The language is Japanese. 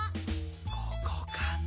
ここかな？